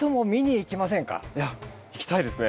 行きたいですね。